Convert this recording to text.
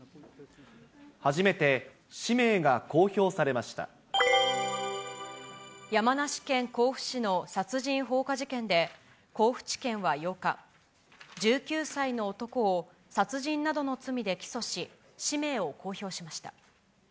初めて、氏名が公表されまし山梨県甲府市の殺人放火事件で、甲府地検は８日、１９歳の男を殺人などの罪で起訴し、氏名を公表しました。